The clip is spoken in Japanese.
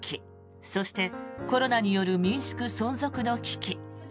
そしてコロナによる民宿存続の危機。